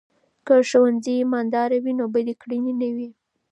که ښوونځي امانتدار وي، نو بدې کړنې نه وي.